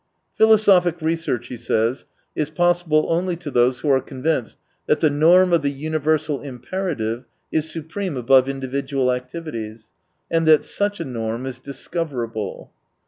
" Philosophic research," he says, " is possible only to those who are convinced that the norm of the universal imperative is supreme above individual activities, and that such a norm is discover able."